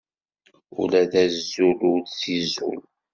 Ula d azul ur t-izul.